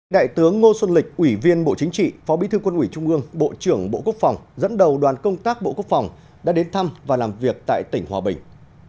đại tướng ngô xuân lịch ủy viên bộ chính trị phó bí thư quân ủy trung ương bộ trưởng bộ quốc phòng dẫn đầu đoàn công tác bộ quốc phòng đã đến thăm và làm việc tại tỉnh hòa bình